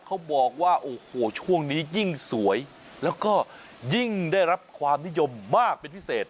เขาบอกว่าโอ้โหช่วงนี้ยิ่งสวยแล้วก็ยิ่งได้รับความนิยมมากเป็นพิเศษ